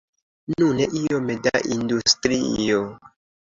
Nune iome da industrio.